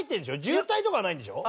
渋滞とかはないんでしょ？